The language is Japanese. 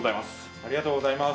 ありがとうございます。